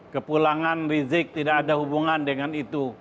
kepulangan rizik tidak ada hubungan dengan itu